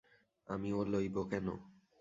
আমি ও লইব কেন?